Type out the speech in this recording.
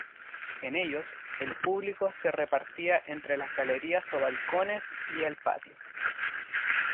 En ellos, el público se repartía entre las galerías o balcones y el patio.